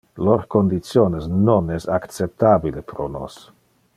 Lor conditiones non es acceptabile pro nos.